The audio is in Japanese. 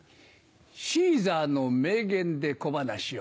シーザーの名言で小噺を。